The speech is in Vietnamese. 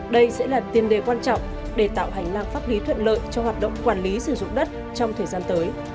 đây sẽ là tiềm đề quan trọng để tạo hành lang pháp lý thuận lợi cho hoạt động quản lý sử dụng đất